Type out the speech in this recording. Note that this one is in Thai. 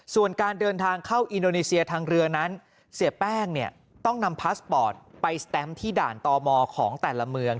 ส่วนการเดินทางเข้าอินโดนีเซียทางเรือนั้นเสียแป้งเนี่ยต้องนำพาสปอร์ตไปสแตมที่ด่านตมของแต่ละเมือง